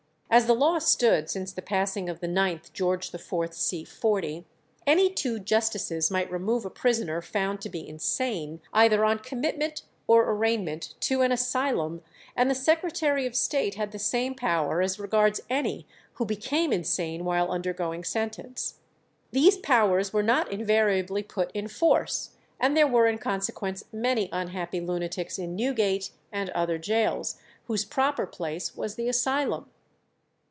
As the law stood since the passing of the 9th Geo. IV. c. 40, any two justices might remove a prisoner found to be insane, either on commitment or arraignment, to an asylum, and the Secretary of State had the same power as regards any who became insane while undergoing sentence. These powers were not invariably put in force, and there were in consequence many unhappy lunatics in Newgate and other gaols, whose proper place was the asylum.